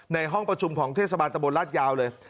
ในห้องประชุมของเทศบาลตะบนราชยาวเลย